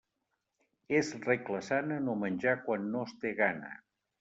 És regla sana no menjar quan no es té gana.